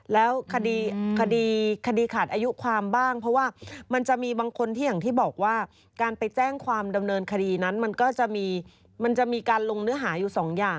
แล้วคดีคดีขาดอายุความบ้างเพราะว่ามันจะมีบางคนที่อย่างที่บอกว่าการไปแจ้งความดำเนินคดีนั้นมันก็จะมีมันจะมีการลงเนื้อหาอยู่สองอย่าง